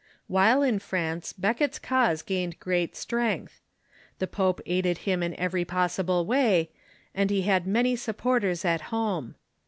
While in France, Becket's cause gained great strength. The pope aided him in every possible Avay, and he had many sup porters at home.